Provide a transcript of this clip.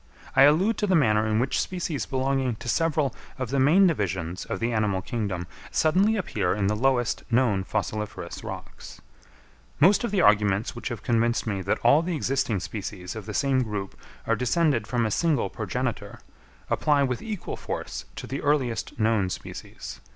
I allude to the manner in which species belonging to several of the main divisions of the animal kingdom suddenly appear in the lowest known fossiliferous rocks. Most of the arguments which have convinced me that all the existing species of the same group are descended from a single progenitor, apply with equal force to the earliest known species.